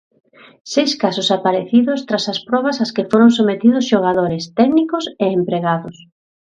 Seis casos aparecidos tras as probas ás que foron sometidos xogadores, técnicos e empregados.